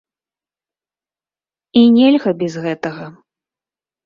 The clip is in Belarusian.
І нельга без гэтага!